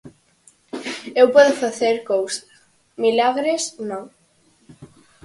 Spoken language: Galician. Eu podo facer cousas; milagres, non.